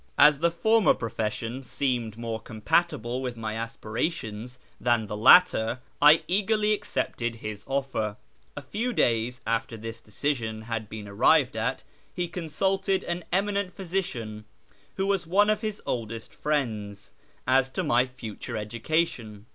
As the former profession seemed more compatible with my aspirations than the latter, I eagerly accepted his offer. A few days after this decision had been arrived at, he consulted an eminent physician, who was one of his oldest friends, as to my future education.